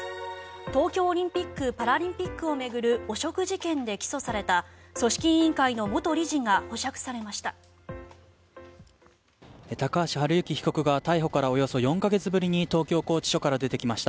東京オリンピック・パラリンピックを巡る汚職事件で起訴された組織委員会の元理事が保釈されました。